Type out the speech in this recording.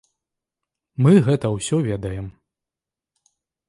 Мы гэта ўсё ведаем.